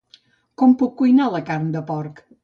Com puc cuinar la carn de porc?